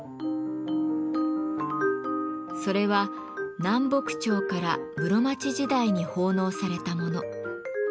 それは南北朝から室町時代に奉納されたもの。